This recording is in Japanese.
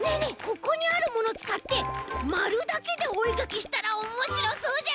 ここにあるものつかってまるだけでおえかきしたらおもしろそうじゃない？